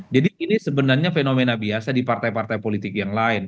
jadi ini sebenarnya fenomena biasa di partai partai politik yang lain